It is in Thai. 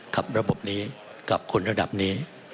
กับระบบนี้กับคนระดับนี้